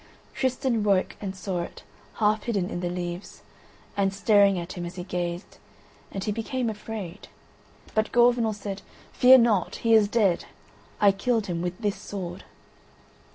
Tristan woke and saw it, half hidden in the leaves, and staring at him as he gazed, and he became afraid. But Gorvenal said: "Fear not, he is dead. I killed him with this sword."